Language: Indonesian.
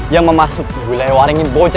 yang memasuki wilayah waringin bocah